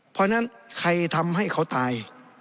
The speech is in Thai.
เพราะฉะนั้นใครทำให้เขาตาย